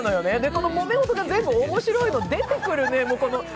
このもめ事が全部面白いのが出てくる。